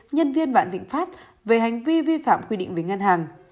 nhân viên vạn tịnh phát về hành vi vi phạm quy định về ngân hàng